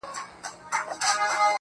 • گرانه شاعره له مودو راهسي.